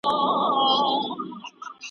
د زده کړو اصلي هدف د مسيحيت تبليغ و.